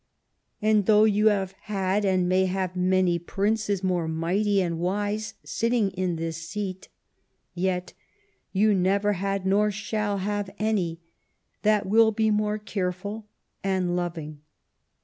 And though you have had, and may have, many Princes more mighty and wise sitting in this seat, yet you never had, nor shall have, any that will be more careful and loving.